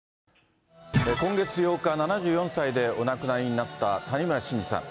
今月８日、７４歳でお亡くなりになった谷村新司さん。